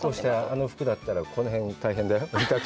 あの服だったらこの辺が大変だよ。